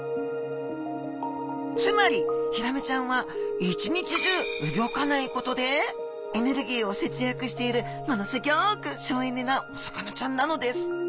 つまりヒラメちゃんは一日中うギョかないことでエネルギーを節約しているものすギョく省エネなお魚ちゃんなのです！